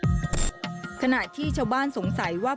จุดฝังศพสมเนติศาสตร์จังหวัดนครศรีธรรมราช